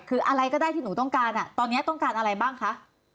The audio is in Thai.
คืออะไรก็ได้ที่หนูต้องการตอนนี้ต้องการอะไรบ้างคะ